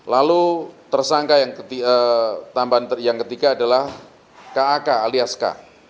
lalu tersangka yang tambahan yang ketiga adalah kak alias k